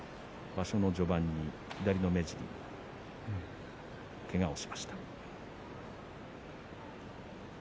場所の序盤に左の目尻にけがをしました。